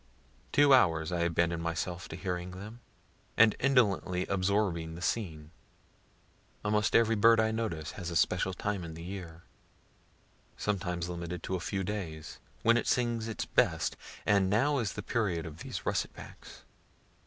Two hours I abandon myself to hearing them, and indolently absorbing the scene. Almost every bird I notice has a special time in the year sometimes limited to a few days when it sings its best; and now is the period of these russet backs.